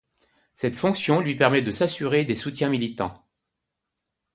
Cette fonction lui permet de s'assurer des soutiens militants.